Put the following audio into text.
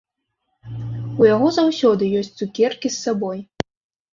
У яго заўсёды ёсць цукеркі з сабой.